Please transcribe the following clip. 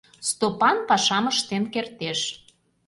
Стопан пашам ыштен кертеш.